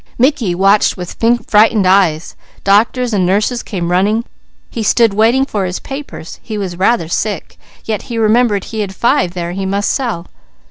Mickey watched with frightened eyes. Doctors and nurses came running. He stood waiting for his papers. He was rather sick, yet he remembered he had five there he must sell.